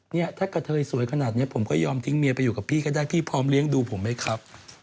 เนี่ยถ้ากระเทยสวยขนาดนี้ผมก็ยอมทิ้งเมียไปอยู่กับพี่ก็ได้พี่พร้อมเลี้ยงดูผมไหมครับ